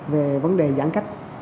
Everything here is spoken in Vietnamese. về vấn đề giãn cách